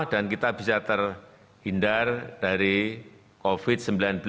dan kita bisa terhindar dari covid sembilan belas